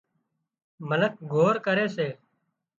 منک گوۯ ڪري سي